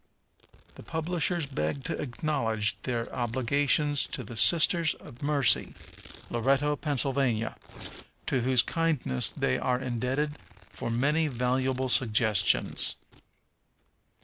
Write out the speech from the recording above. The publishers beg to acknowledge their obligations to the Sisters of Mercy, Loretto, Pa., to whose kindness they are indebted for many valuable suggestions.